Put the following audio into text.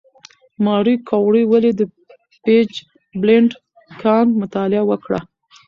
ماري کوري ولې د پیچبلېند کان مطالعه وکړه؟